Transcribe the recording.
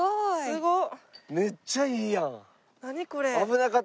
すごっ！